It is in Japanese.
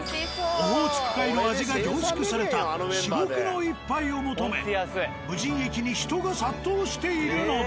オホーツク海の味が凝縮された至極の一杯を求め無人駅に人が殺到しているのだ。